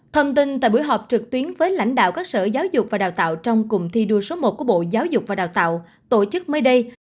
thông tin tại buổi họp trực tuyến với lãnh đạo các sở giáo dục và đào tạo trong cụm thi đua số một của bộ giáo dục và đào tạo tổ chức mới đây